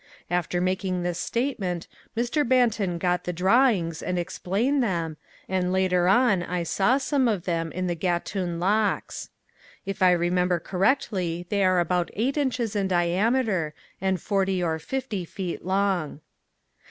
After making this statement, Mr. Banton got the drawings and explained them, and later on I saw some of them in the Gatun Locks. If I remember correctly they are about eight inches in diameter and forty or fifty feet long.